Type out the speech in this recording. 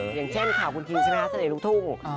อย่างเช่นข่าววูลกรีซเสนงลูกทุ่ง